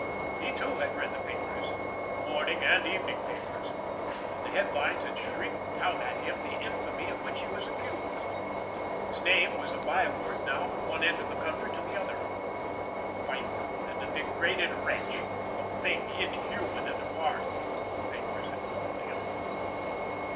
He too had read the papers—the morning and the evening papers—and the headlines had shrieked out at him the infamy of which he was accused. His name was a by word now from one end of the country to the other. A viper and a degraded wretch, a thing inhuman and apart, the papers had called him.